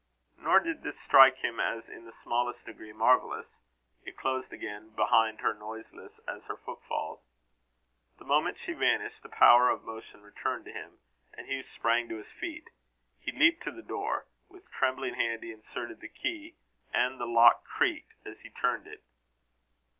Nor did this strike him as in the smallest degree marvellous. It closed again behind her, noiseless as her footfalls. The moment she vanished, the power of motion returned to him, and Hugh sprang to his feet. He leaped to the door. With trembling hand he inserted the key, and the lock creaked as he turned it.